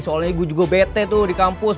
soalnya gue juga bete tuh di kampus